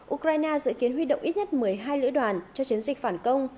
ukraine dự kiến huy động ít nhất một mươi hai lưỡi đoàn cho chiến dịch phản công